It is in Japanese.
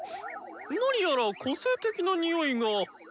何やら個性的なにおいが。